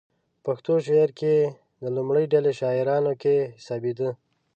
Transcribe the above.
په پښتو شعر کې د لومړۍ ډلې شاعرانو کې حسابېده.